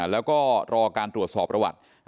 แล้วก็รอการตรวจสอบประวัติ